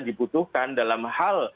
dibutuhkan dalam hal